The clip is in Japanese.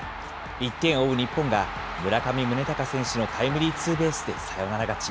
１点を追う日本が、村上宗隆選手のタイムリーツーベースでサヨナラ勝ち。